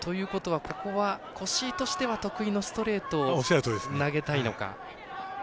ここは、越井としては得意のストレートを投げたいのか。